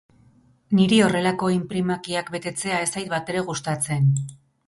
Niri horrelako inprimakiak betetzea ez zait batere gustatzen.